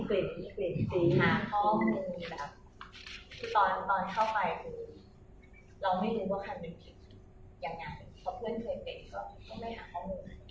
ตอนเข้าไปคือเราไม่รู้ว่าใครมีคิดอย่างนี้เพราะเพื่อนเคยเป็นก็ไม่ได้หาข้อมูล